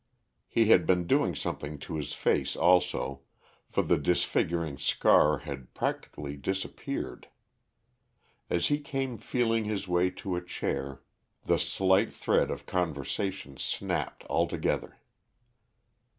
He had been doing something to his face also, for the disfiguring scar had practically disappeared. As he came feeling his way to a chair, the slight thread of conversation snapped altogether.